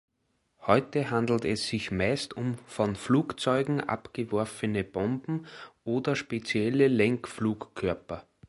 Heute handelt es sich meist um von Flugzeugen abgeworfene Bomben oder spezielle Lenkflugkörper.